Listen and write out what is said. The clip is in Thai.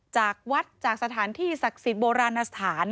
จากวัดจากสถานที่ศักดิ์สิทธิ์โบราณสถาน